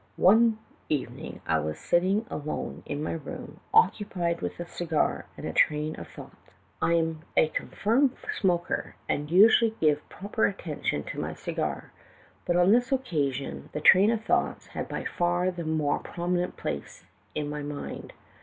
"One evening, I was sitting alone in my room, occupied with a cigar and a train of thoughts. I SOO THE TALKINC^ HAKDKERCHIeE. am a confirmed smoker and usually give proper attention to my cigar ; but on this occasion the train of thoughts had by far the most prominent place in my mind.